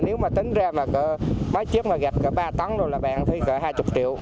thì nếu mà tính ra mà mới trước mà gặp cả ba tấn rồi là bạn phải cỡ hai mươi triệu